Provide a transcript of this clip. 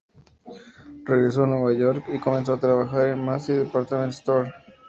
Regresó a Nueva York y comenzó a trabajar en Macy's Department Store.